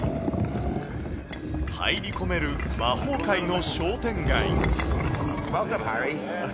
入り込める魔法界の商店街。